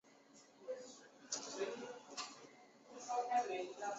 徐文铨之子。